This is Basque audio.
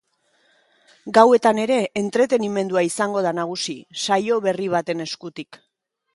Gauetan ere entretenimendua izango da nagusi, saio berri baten eskutik.